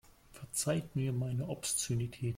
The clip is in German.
Verzeiht mir meine Obszönitäten.